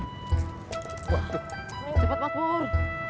cepat mas pur